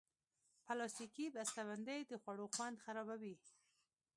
پلاستيکي بستهبندۍ د خوړو خوند خرابوي.